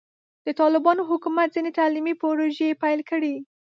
د طالبانو حکومت ځینې تعلیمي پروژې پیل کړي.